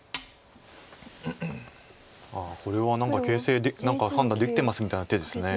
あっそれは何か形勢判断できてますみたいな手です。